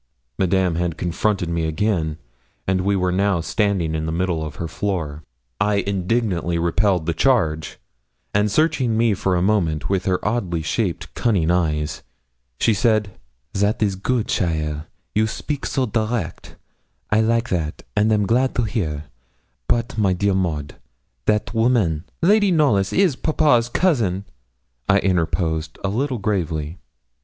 Madame had confronted me again, and we were now standing in the middle of her floor. I indignantly repelled the charge, and searching me for a moment with her oddly shaped, cunning eyes, she said 'That is good cheaile, you speak a so direct I like that, and am glad to hear; but, my dear Maud, that woman ' 'Lady Knollys is papa's cousin,' I interposed a little gravely.